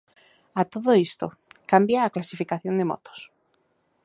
A todo isto, cambia a clasificación de motos.